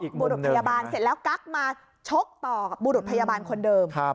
บุรุษพยาบาลเสร็จแล้วกั๊กมาชกต่อกับบุรุษพยาบาลคนเดิม